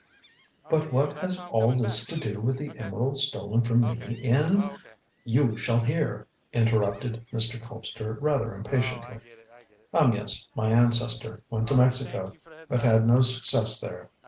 "But what has all this to do with the emerald stolen from me in " "You shall hear," interrupted Mr. Colpster, rather impatiently. "Amyas, my ancestor, went to Mexico, but had no success there.